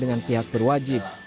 dengan pihak berwajib